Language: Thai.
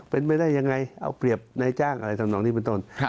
เป็นไม่ได้ยังไงเอาเปรียบในอะไรตัวน้องนี้มันต้น